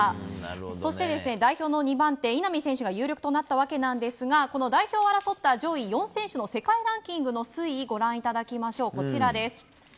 そして代表の２番手稲見選手が有力となったわけなんですがこの代表を争った上位４選手の世界ランクの推移をご覧いただきましょう。